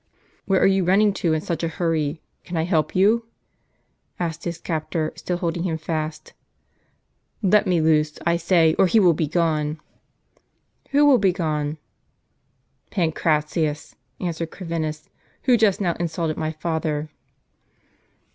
" Where are you running to in such a hurry ? can I help you? " asked his captor, still holding him fast. "Let me loose, I say, or he will be gone." " Who will be gone ?"" Pancratius," answered Corvinus, " who just now insulted my father."